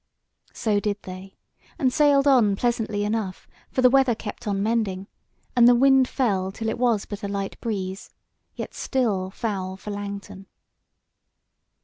So did they, and sailed on pleasantly enough, for the weather kept on mending, and the wind fell till it was but a light breeze, yet still foul for Langton.